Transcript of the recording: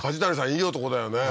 いい男だよね